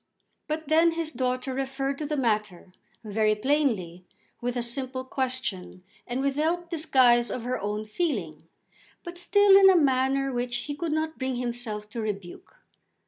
But then his daughter referred to the matter, very plainly, with a simple question, and without disguise of her own feeling, but still in a manner which he could not bring himself to rebuke.